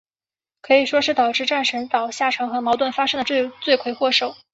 可以说是导致战神岛下沉和矛盾发生的罪魁祸首。